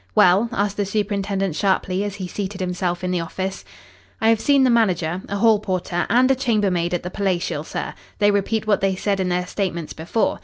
"Well?" asked the superintendent sharply, as he seated himself in his office. "I have seen the manager, a hall porter and a chamber maid at the Palatial, sir. They repeat what they said in their statements before.